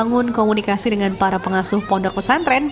dan juga untuk membangun komunikasi dengan para pengasuh pondok pesantren